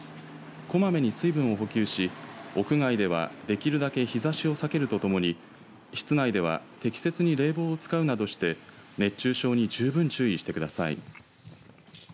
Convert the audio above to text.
こまめに水分を補給し屋外ではできるだけ日ざしを避けるとともに室内では適切に冷房を使うなどして熱中症に十分注意してください。